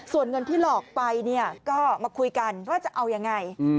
ส่วนเงินที่หลอกไปเนี่ยก็มาคุยกันว่าจะเอายังไง